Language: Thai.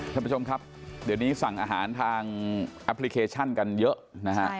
ท่านผู้ชมครับเดี๋ยวนี้สั่งอาหารทางแอปพลิเคชันกันเยอะนะฮะ